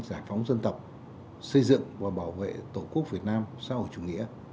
giải phóng dân tộc xây dựng và bảo vệ tổ quốc việt nam xã hội chủ nghĩa